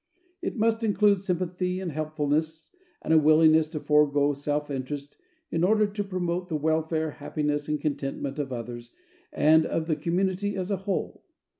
It must include sympathy and helpfulness and a willingness to forgo self interest in order to promote the welfare, happiness, and contentment of others and of the community as a whole.